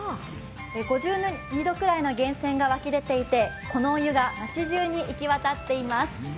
５２度くらいの源泉が湧き出ていてこのお湯が町じゅうに行き渡っています。